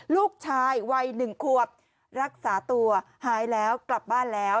ลูกชายวัย๑ควบรักษาตัวหายแล้วกลับบ้านแล้ว